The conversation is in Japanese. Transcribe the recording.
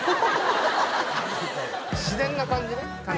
自然な感じね